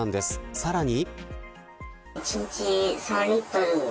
さらに。